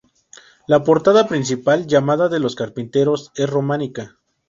La portada principal, llamada de los carpinteros, es románica.